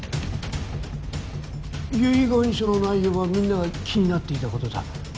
遺言書の内容はみんなが気になっていたことだ。